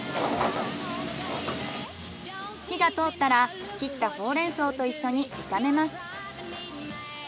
火が通ったら切ったほうれん草と一緒に炒めます。